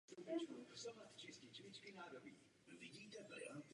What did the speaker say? Loď má plochý strop a je oddělena půlkruhovým triumfálním obloukem od kněžiště.